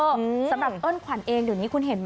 สำหรับเอิ้นขวัญเองเดี๋ยวนี้คุณเห็นไหม